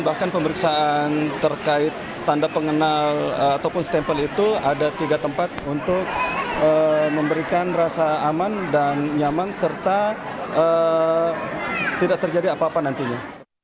bahkan pemeriksaan terkait tanda pengenal ataupun stempel itu ada tiga tempat untuk memberikan rasa aman dan nyaman serta tidak terjadi apa apa nantinya